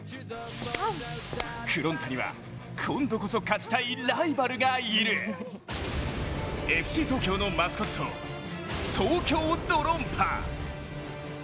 ふろん太には今度こそ勝ちたいライバルがいるＦＣ東京のマスコット、東京ドロンパ。